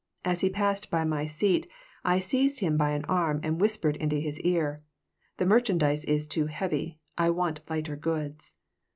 As he passed by my seat I seized him by an arm and whispered into his ear: "The merchandise is too heavy. I want lighter goods."